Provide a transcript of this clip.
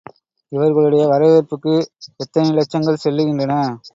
இவர்களுடைய வரவேற்புக்கு எத்தனை இலட்சங்கள் செல்லுகின்றன.